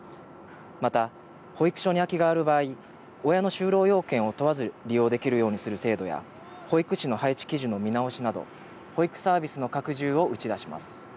また保育所に空きがある場合、親の就労要件を問わず利用できるようにする制度や、保育士の配置基準の見直しなど、保育サービスの拡充を打ち出します。